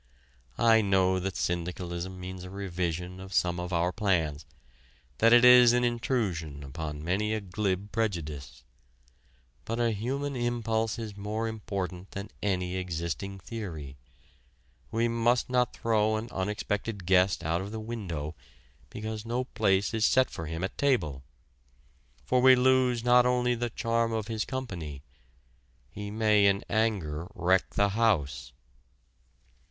I know that syndicalism means a revision of some of our plans that it is an intrusion upon many a glib prejudice. But a human impulse is more important than any existing theory. We must not throw an unexpected guest out of the window because no place is set for him at table. For we lose not only the charm of his company: he may in anger wreck the house.